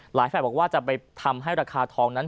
ฝ่ายบอกว่าจะไปทำให้ราคาทองนั้น